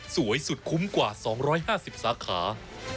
สวยสุดคุ้มกว่า๒๕๐สาขา